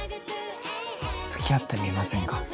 つきあってみませんか？